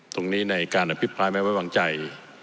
ตรงนี้ในการอภิปรายไม่ไว้วางใจ